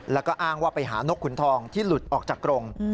แล้วก็อ้างว่าไปหานกขุนทองที่หลุดออกจากกรง